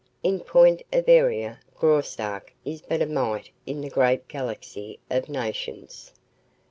In point of area, Graustark is but a mite in the great galaxy of nations.